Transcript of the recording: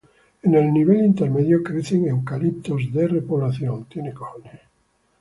En el nivel intermedio crecen eucaliptos de repoblación.